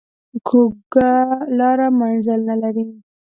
کوږه لار منزل نه لري